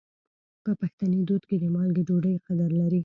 په پښتني دود کې د مالګې ډوډۍ قدر لري.